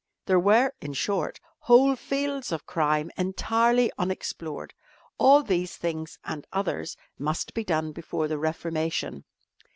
There were, in short, whole fields of crime entirely unexplored. All these things and others must be done before the reformation.